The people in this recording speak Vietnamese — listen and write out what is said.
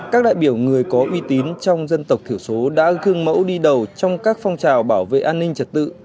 các đại biểu người có uy tín trong dân tộc thiểu số đã gương mẫu đi đầu trong các phong trào bảo vệ an ninh trật tự